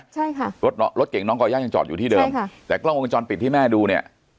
ใช่ค่ะรถรถเก่งน้องก่อย่ายังจอดอยู่ที่เดิมค่ะแต่กล้องวงจรปิดที่แม่ดูเนี่ย